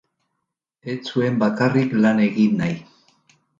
Ez zuen bakarrik lan egin nahi.